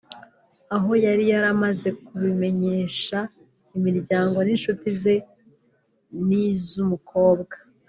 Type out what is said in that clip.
aho yari yaramaze kubimenyesha imiryango n'inshuti ze n'iz'umukobwa